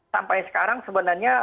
sampai sekarang sebenarnya